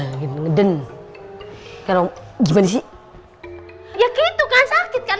ngeden thumb gede chao hai kalau gimana sih ya gitu kan sakit nggak